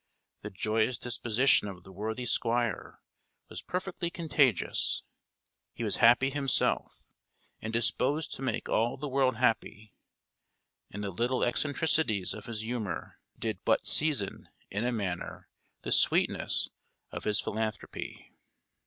the joyous disposition of the worthy Squire was perfectly contagious; he was happy himself, and disposed to make all the world happy; and the little eccentricities of his humour did but season, in a manner, the sweetness of his philanthropy.